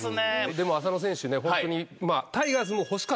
でも浅野選手ねホントに。